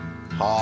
あ。